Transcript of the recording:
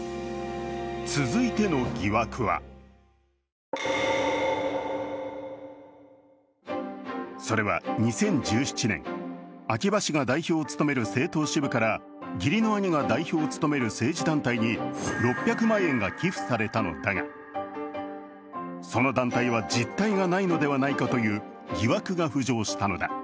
続いての疑惑はそれは２０１７年、秋葉氏が代表を務める政党支部から義理の兄が代表を務める政治団体に６００万円が寄付されたのだがその団体は実態がないのではないかという疑惑が浮上したのだ。